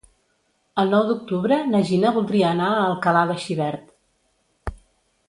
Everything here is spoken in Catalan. El nou d'octubre na Gina voldria anar a Alcalà de Xivert.